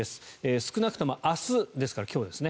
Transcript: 少なくとも明日ですから今日ですね。